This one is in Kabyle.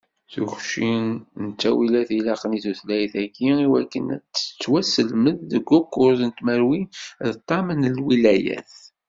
Tukci n ttawilat ilaqen i tutlayt-agi, i wakken ad tettwaselmed deg ukkuẓ tmerwin d ṭam n liwayat.